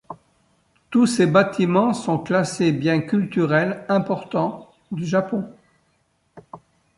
Tous ces bâtiments sont classés biens culturels importants du Japon.